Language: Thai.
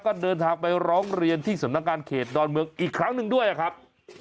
ก็เดินทางไปร้องเรียนที่สำนักงานเขตดอนเมืองอีกครั้งหนึ่งด้วยครับ